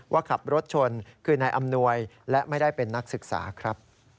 ว่าขับรถชนคือนายอำนวยและไม่ได้เป็นนักศึกษาครับ